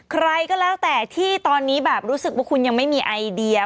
ใครก็แล้วแต่ที่ตอนนี้แบบรู้สึกว่าคุณยังไม่มีไอเดีย